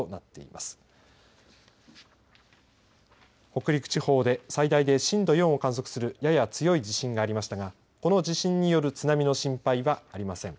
北陸地方でやや強い地震がありましたがこの地震による津波の心配はありません。